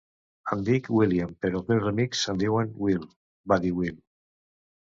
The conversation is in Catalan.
"Em dic William, però els meus amics em diuen Will", va dir Will.